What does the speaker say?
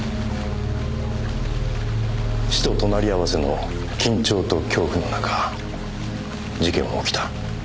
死と隣り合わせの緊張と恐怖の中事件は起きた。